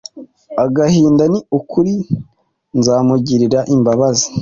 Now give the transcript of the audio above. agahinda ni ukuri nzamugirira imbabazi